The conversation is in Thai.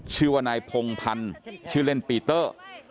ชื่อว่านายพงพันธ์ชื่อเล่นปีเตอร์